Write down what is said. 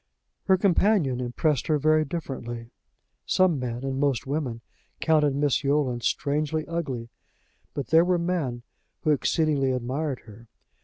Her companion impressed her very differently. Some men, and most women, counted Miss Yolland strangely ugly. But there were men who exceedingly admired her.